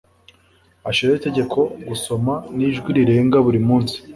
Ashiraho itegeko gusoma n'ijwi rirenga buri munsi.